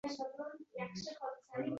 Mana bu mehmonxona va oshxona.